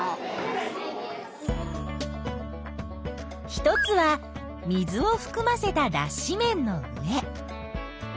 一つは水をふくませただっし綿の上。